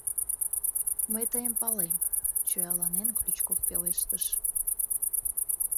— Мый тыйым палем, — чояланен, Ключков пелештыш.